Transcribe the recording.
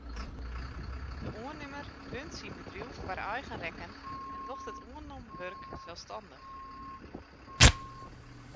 De oannimmer runt syn bedriuw foar eigen rekken en docht it oannommen wurk selsstannich.